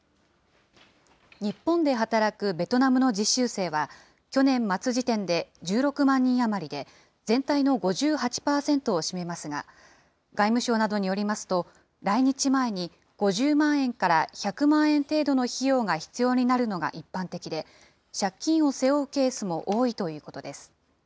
日本で働くベトナムの実習生は、去年末時点で１６万人余りで、全体の５８％を占めますが、外務省などによりますと、来日前に５０万円から１００万円程度の費用が必要になるのが一般的で、借金を背負うケースも多いということです。